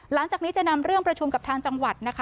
หลังจากนี้จะนำเรื่องประชุมกับทางจังหวัดนะคะ